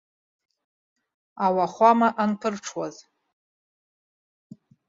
Ауахәама анԥырҽуаз.